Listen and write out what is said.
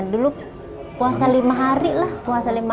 dulu puasa lebih lama